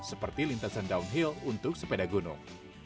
seperti lintasan downhill untuk sepeda gunung